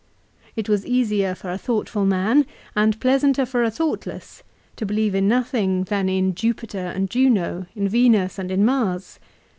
It was easier for a thought ful man, and pleasanter for a thoughtless, to believe in nothing, than in Jupiter and Juno, in Venus and in Mars.